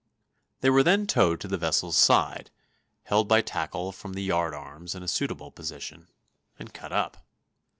They were then towed to the vessel's side, held by tackle from the yard arms in a suitable position, and cut up.